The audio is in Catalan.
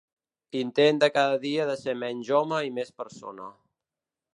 Intent de cada dia ser menys home i més persona.